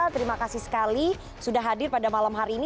terima kasih sekali sudah hadir pada malam hari ini